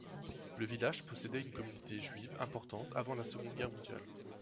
Le village possédait une communauté juive importante avant la Seconde Guerre mondiale.